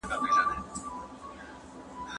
د امریکا محصلینو برسونه مقاومت کوونکي باکتریاوې لري.